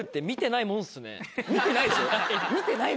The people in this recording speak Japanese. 見てないでしょ。